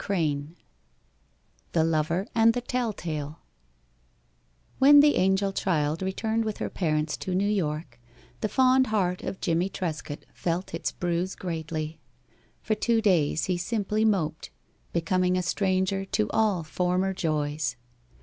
III THE LOVER AND THE TELLTALE When the angel child returned with her parents to New York, the fond heart of Jimmie Trescott felt its bruise greatly. For two days he simply moped, becoming a stranger to all former joys.